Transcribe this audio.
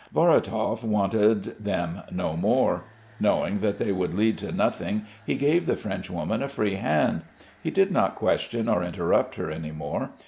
Vorotov wanted them no more. Knowing that they would lead to nothing he gave the Frenchwoman a free hand; he did not question or interrupt her any more.